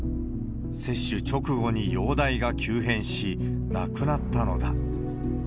接種直後に容体が急変し、亡くなったのだ。